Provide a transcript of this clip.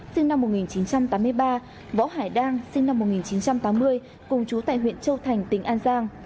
sinh năm một nghìn chín trăm tám mươi ba võ hải đang sinh năm một nghìn chín trăm tám mươi cùng chú tại huyện châu thành tỉnh an giang